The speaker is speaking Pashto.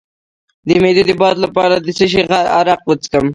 د معدې د باد لپاره د څه شي عرق وڅښم؟